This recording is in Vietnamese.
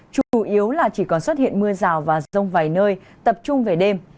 chủ yếu là chỉ còn xuất hiện mưa rào và rông vài nơi tập trung về đêm